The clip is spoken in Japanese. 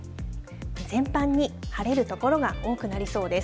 全般に晴れる所が多くなりそうです。